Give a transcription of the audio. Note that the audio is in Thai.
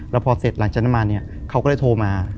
แล้วพอเสร็จหลังจากนั้นมาเนี่ยเขาก็เลยโทรมา